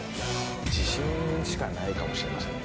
自信しかないかもしれませんね